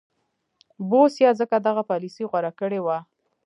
بوسیا ځکه دغه پالیسي غوره کړې وه.